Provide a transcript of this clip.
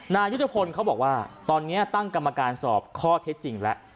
นายุทธพลเขาบอกว่าตอนนี้ตั้งกรรมการสอบข้อเท็จจริงแล้ว